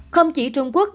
không chỉ trung quốc